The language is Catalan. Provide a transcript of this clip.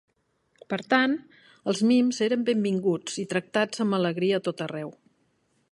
Per tant, els mims eren benvinguts i tractats amb alegria a tot arreu.